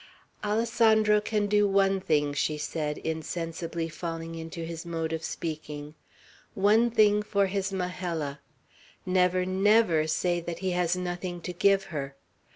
"Alessandro can do one thing," she said, insensibly falling into his mode of speaking, "one thing for his Majella: never, never say that he has nothing to give her.